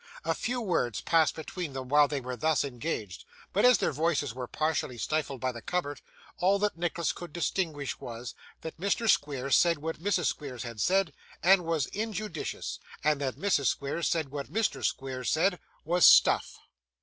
A few words passed between them while they were thus engaged, but as their voices were partially stifled by the cupboard, all that Nicholas could distinguish was, that Mr. Squeers said what Mrs. Squeers had said, was injudicious, and that Mrs. Squeers said what Mr. Squeers said, was 'stuff.